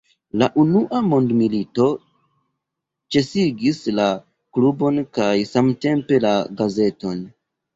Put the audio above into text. La unua mondmilito ĉesigis la klubon kaj samtempe la gazeton.